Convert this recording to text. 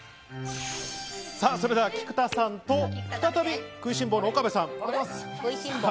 それでは菊田さんと、再び食いしん坊の岡部さん。